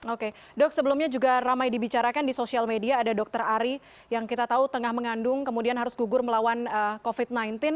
oke dok sebelumnya juga ramai dibicarakan di sosial media ada dokter ari yang kita tahu tengah mengandung kemudian harus gugur melawan covid sembilan belas